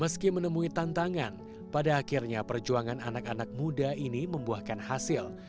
meski menemui tantangan pada akhirnya perjuangan anak anak muda ini membuahkan hasil